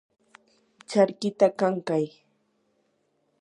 charkita kankay.